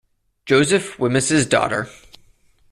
Joseph Wemyss' daughter.